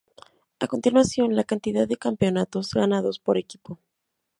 A continuación, la cantidad de campeonatos ganados por equipo.